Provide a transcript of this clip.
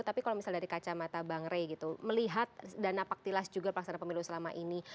tapi kalau misalnya dari kacamata bang rey gitu melihat dana paktilas juga pelaksanaan pemilu selama ini